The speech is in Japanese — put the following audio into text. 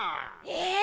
え！